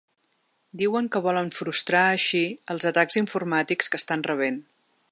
Diuen que volen frustrar així els atacs informàtics que estan rebent.